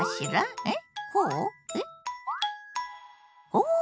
お。